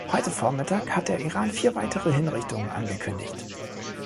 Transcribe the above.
Heute Vormittag hat der Iran vier weitere Hinrichtungen angekündigt.